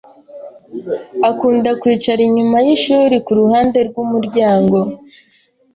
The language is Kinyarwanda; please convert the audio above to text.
akunda kwicara inyuma yishuri kuruhande rwumuryango.